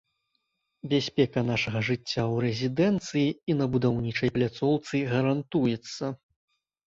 Бяспека нашага жыцця ў рэзідэнцыі і на будаўнічай пляцоўцы гарантуецца.